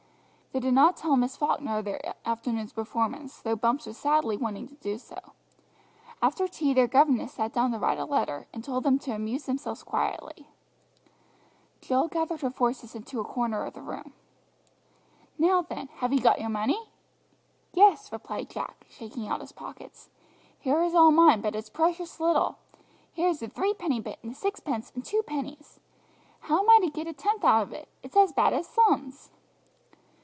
They did not tell Miss Falkner of their afternoon's performance, though Bumps was sadly wanting to do so. After tea their governess sat down to write a letter, and told them to amuse themselves quietly. Jill gathered her forces into a corner of the room. "Now then," she said; "have you got your money?" "Yes," replied Jack, shaking out his pockets; "here is all mine, but it's precious little! Here's a threepenny bit and a sixpence and two pennies. How am I to get a tenth out of it? It's as bad as sums."